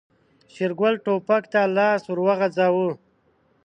شېرګل ټوپک ته لاس ور وغځاوه.